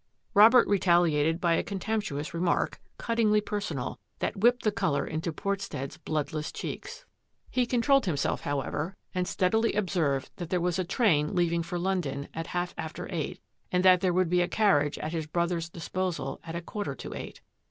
Robert retaliated by a contemptuous remark, cuttingly personal, that whipped the colour into Portstead's bloodless cheeks. He controlled him 42 THAT AFFAIR AT THE MANOR self, however, and steadily observed that there was a train leaving for London at half after eight and that there would be a carriage at his brother's disposal at a quarter to eight.